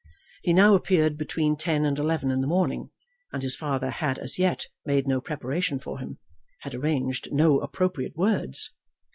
He now appeared between ten and eleven in the morning, and his father had as yet made no preparation for him, had arranged no appropriate words.